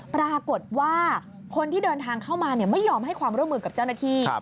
ปรากฏว่าคนที่เดินทางเข้ามาไม่ยอมให้ความร่วมมือกับเจ้าหน้าที่